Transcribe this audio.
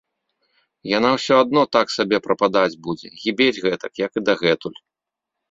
Яна ўсё адно так сабе прападаць будзе, гібець гэтак, як і дагэтуль.